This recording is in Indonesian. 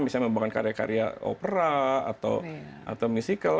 misalnya membahas karya karya opera atau musical